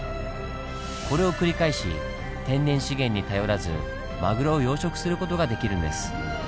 これを繰り返し天然資源に頼らずマグロを養殖する事ができるんです。